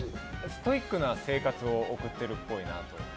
ストイックな生活を送ってるっぽいなと。